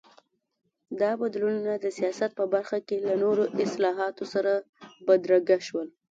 دا بدلونونه د سیاست په برخه کې له نورو اصلاحاتو سره بدرګه شول.